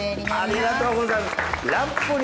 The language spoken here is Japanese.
ありがとうございます。